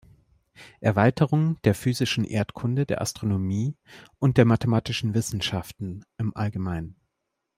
Erweiterung der physischen Erdkunde, der Astronomie und der mathematischen Wissenschaften im Allgemeinen.